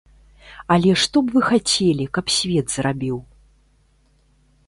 Але што б вы хацелі, каб свет зрабіў?